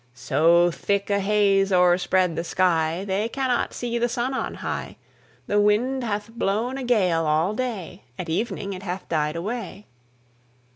So thick a haze o'erspread the sky, They cannot see the sun on high: The wind hath blown a gale all day, At evening it hath died away.